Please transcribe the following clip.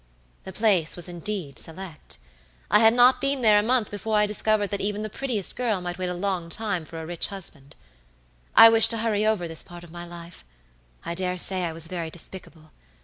"The place was indeed select. I had not been there a month before I discovered that even the prettiest girl might wait a long time for a rich husband. I wish to hurry over this part of my life. I dare say I was very despicable.